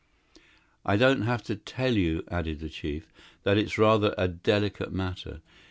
"I don't have to tell you," added the chief, "that it's rather a delicate matter.